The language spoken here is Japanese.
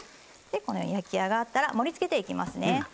焼き上がったら盛りつけていきますね。